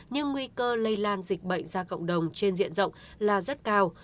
nhưng nguy cơ lây lan dịch bệnh ra cộng đồng trên diện rộng là rất cao